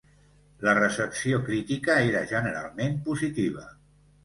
La recepció crítica era generalment positiva.